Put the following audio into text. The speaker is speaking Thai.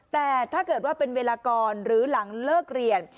แต่ถ้าเกิดว่าเป็นเวลากรหรือหลังเลิกเรียน